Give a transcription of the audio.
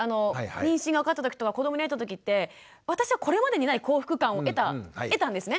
妊娠が分かった時とか子どもに会えた時って私はこれまでにない幸福感を得たんですね。